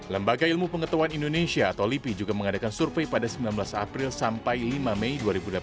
lembaga ilmu pengetahuan indonesia atau lipi juga mengadakan survei pada sembilan belas april sampai lima mei dua ribu delapan belas